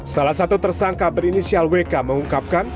salah satu tersangka berinisial wk mengungkapkan